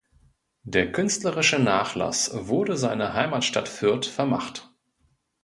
Der künstlerische Nachlass wurde seiner Heimatstadt Fürth vermacht.